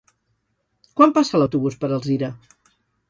Quan passa l'autobús per Alzira?